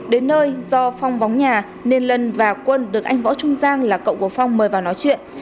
đến nơi do phong bóng nhà nên lân và quân được anh võ trung giang là cậu của phong mời vào nói chuyện